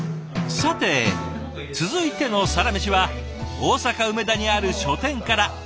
さて続いてのサラメシは大阪・梅田にある書店から。